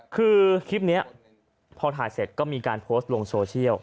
คือคลิปนี้พอถ่ายเสร็จก็มีการโพสต์ลงโซเชียล